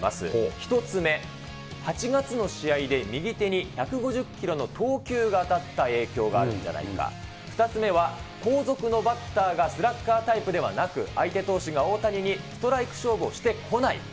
１つ目、８月の試合で、右手に１５０キロのとうきゅうがあたったえいきょうがあるんじゃないか２つ目は、後続のバッターがスラッガータイプではなく、相手投手が大谷にストライク勝負をしてこない。